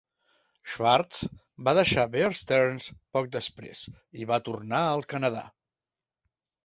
Schwartz va deixar Bear Stearns poc després i va tornar al Canadà.